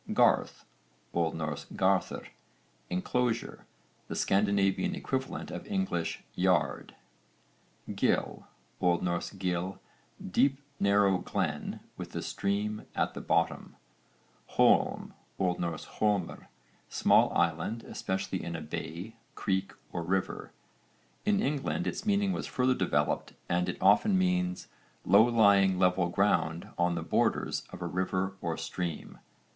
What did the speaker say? GARTH. O.N. garðr, enclosure, the Scandinavian equivalent of English 'yard.' GILL. O.N. gil, deep narrow glen with a stream at the bottom. HOLM. O.N. holmr, small island especially in a bay, creek, or river. In England its meaning was further developed and it often means 'low lying level ground on the borders of a river or stream.'